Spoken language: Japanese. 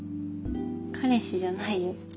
彼氏じゃないよ。